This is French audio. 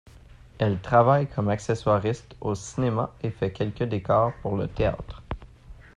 Elle travaille comme accessoiriste au cinéma et fait quelques décors pour le théâtre.